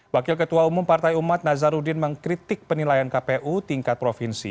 wakil ketua umum partai umat nazarudin mengkritik penilaian kpu tingkat provinsi